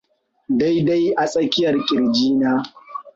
daidai a tsakiyar kirji na